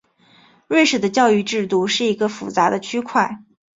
瑞士的教育制度是一个复杂的区块。